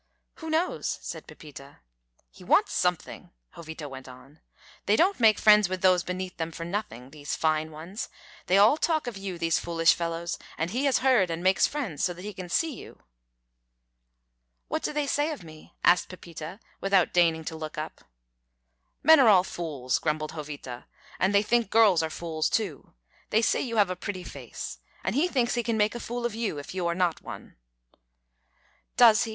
"Who knows?" said Pepita. "He wants something," Jovita went on. "They don't make friends with those beneath them for nothing, these fine ones. They all talk of you, these foolish fellows, and he has heard, and makes friends so that he can see you." "What do they say of me?" asked Pepita, without deigning to look up. "Men are all fools," grumbled Jovita; "and they think girls are fools too. They say you have a pretty face; and he thinks he can make a fool of you if you are not one." "Does he?"